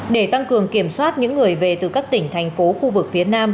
để tăng cường kiểm soát những người về từ các tỉnh thành phố khu vực phía nam